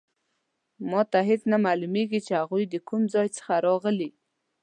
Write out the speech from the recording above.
ما ته هیڅ نه معلومیږي چې هغوی د کوم ځای څخه راغلي